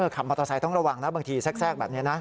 ขับมอเตอร์ไซค์ต้องระวังนะบางทีแทรกแบบนี้นะ